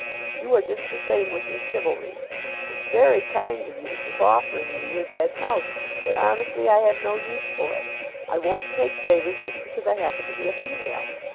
"You are just the same with your chivalry. It's very kind of you to keep offering me your dead mouse; but honestly I have no use for it. I won't take favors just because I happen to be a female.